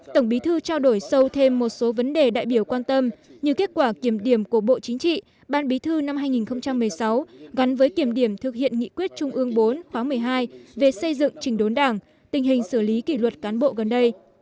tổng bí thư trao đổi sâu thêm một số vấn đề đại biểu quan tâm như kết quả kiểm điểm của bộ chính trị ban bí thư năm hai nghìn một mươi sáu gắn với kiểm điểm thực hiện nghị quyết trung ương bốn khóa một mươi hai về xây dựng trình đốn đảng tình hình xử lý kỷ luật cán bộ gần đây